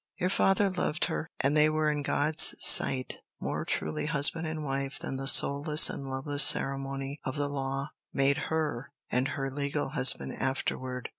Your father loved her, and they were in God's sight more truly husband and wife than the soulless and loveless ceremony of the law made her and her legal husband afterward.